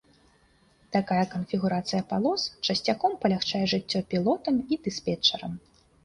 Такая канфігурацыя палос часцяком палягчае жыццё пілотам і дыспетчарам.